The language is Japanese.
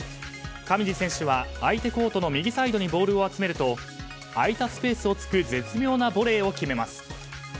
上地選手は相手のコートの右サイドにボールを集めると空いたスペースを突く絶妙なボレーを決めます。